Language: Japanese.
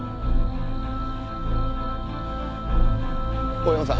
大山さん